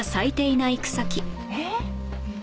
えっ？